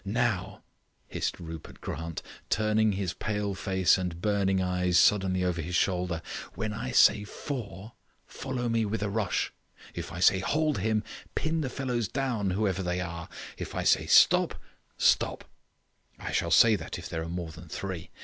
"Now," hissed Rupert Grant, turning his pale face and burning eyes suddenly over his shoulder, "when I say 'Four', follow me with a rush. If I say 'Hold him', pin the fellows down, whoever they are. If I say 'Stop', stop. I shall say that if there are more than three.